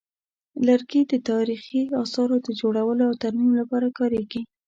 لرګي د تاریخي اثارو د جوړولو او ترمیم لپاره کارېږي.